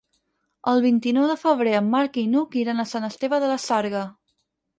El vint-i-nou de febrer en Marc i n'Hug iran a Sant Esteve de la Sarga.